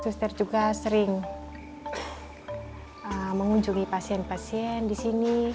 suster juga sering mengunjungi pasien pasien di sini